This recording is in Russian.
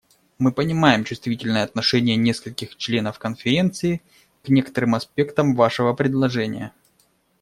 Мы понимаем чувствительное отношение нескольких членов Конференции к некоторым аспектам вашего предложения.